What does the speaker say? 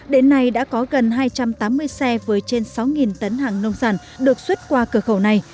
đến nay đã có gần hai trăm tám mươi xe với trên sáu tấn hàng nông sản được xuất qua cửa khẩu này